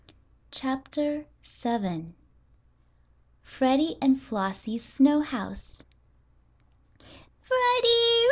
CHAPTER VII FREDDIE AND FLOSSIE'S SNOW HOUSE "Freddie!